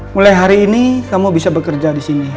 mulai hari ini kamu bisa bekerja di sini